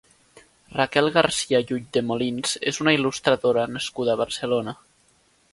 Raquel García i Ulldemolins és una il·lustradora nascuda a Barcelona.